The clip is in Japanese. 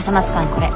これ。